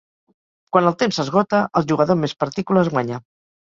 Quan el temps s'esgota, el jugador amb més partícules guanya.